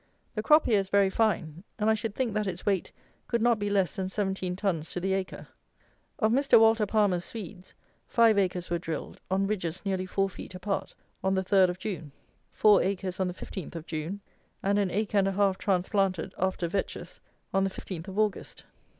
The crop here is very fine; and I should think that its weight could not be less than 17 tons to the acre. Of Mr. WALTER PALMER'S Swedes, five acres were drilled, on ridges nearly four feet apart, on the 3rd of June; four acres on the 15th of June; and an acre and a half transplanted (after vetches) on the 15th of August.